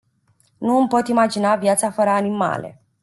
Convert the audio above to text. Nu îmi pot imagina viața fără animale.